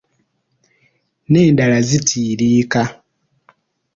N’endala zitiiriika.